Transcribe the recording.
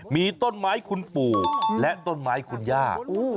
มีต้นไม้คุณปู่และต้นไม้คุณย่า